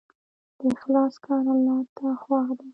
د اخلاص کار الله ته خوښ دی.